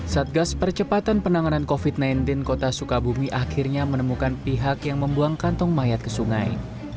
satgas percepatan penanganan covid sembilan belas kota sukabumi akhirnya menemukan pihak yang membuang kantong mayat ke sungai